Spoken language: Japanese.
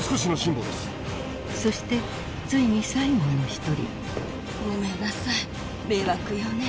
［そしてついに最後の一人に］ごめんなさい迷惑よね。